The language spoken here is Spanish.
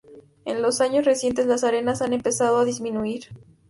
En los años recientes las arenas han empezado a disminuir.